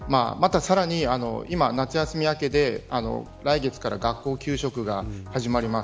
今、夏休み明けで、来月から学校給食が始まります。